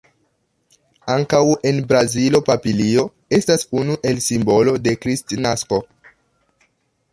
Ankaŭ en Brazilo papilio estas unu el simbolo de kristnasko.